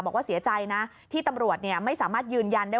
บอกว่าเสียใจนะที่ตำรวจไม่สามารถยืนยันได้